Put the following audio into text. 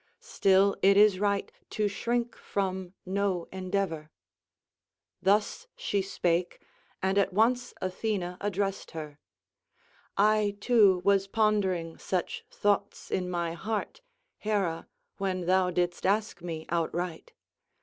Still it is right to shrink from no endeavour." Thus she spake, and at once Athena addressed her: "I too was pondering such thoughts in my heart, Hera, when thou didst ask me outright.